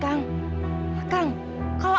kang kalau akang tidak bisa mencari ayam